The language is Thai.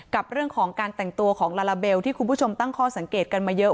กับเรื่องของการแต่งตัวของลาลาเบลที่คุณผู้ชมตั้งข้อสังเกตกันมาเยอะ